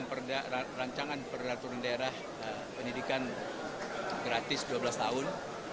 mengajukan nanti rancangan peraturan daerah pendidikan gratis dua belas tahun